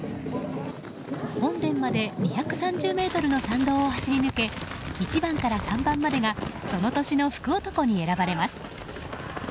本殿まで２３０ｍの参道を走り抜け１番から３番までがその年の福男に選ばれます。